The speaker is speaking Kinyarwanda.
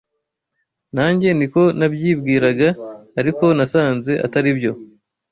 Nanjye niko nabyibwiraga ariko nasanze ataribyo